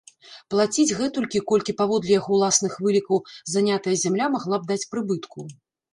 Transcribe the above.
Плаціць гэтулькі, колькі, паводле яго ўласных вылікаў, занятая зямля магла б даць прыбытку.